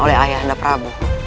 oleh ayah dan prabu